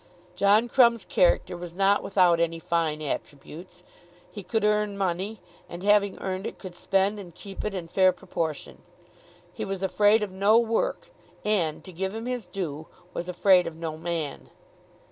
John Crumb's character was not without many fine attributes. He could earn money, and having earned it could spend and keep it in fair proportion. He was afraid of no work, and, to give him his due, was afraid of no man.